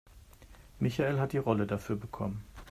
Michael hat die Rolle dafür bekommen.